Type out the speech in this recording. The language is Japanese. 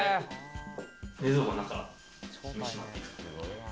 冷蔵庫の中、見せてもらってもいいですか？